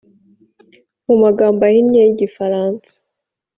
Mu magambo ahinnye y igifaransa